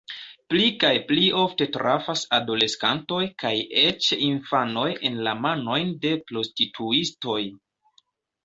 Pli kaj pli ofte trafas adoleskantoj kaj eĉ infanoj en la manojn de prostituistoj.